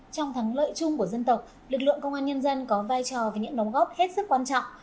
trong thắng lợi chung của dân tộc lực lượng công an nhân dân có vai trò về những nống gốc hết sức quan trọng